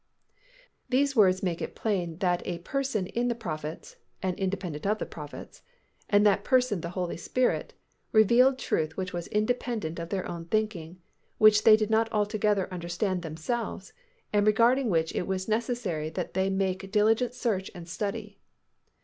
These words make it plain that a Person in the prophets, and independent of the prophets, and that Person the Holy Spirit, revealed truth which was independent of their own thinking, which they did not altogether understand themselves, and regarding which it was necessary that they make diligent search and study.